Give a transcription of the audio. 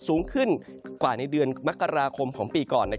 สูงขึ้นกว่าในเดือนมกราคมของปีก่อน